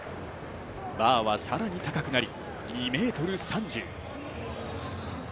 バーは更に高くなり、２ｍ３０。